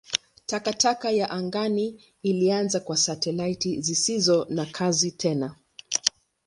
Takataka ya angani ilianza kwa satelaiti zisizo na kazi tena.